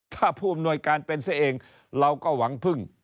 ถ้าผู้อำนวยการเป็นซะเองเราก็หวังพึ่ง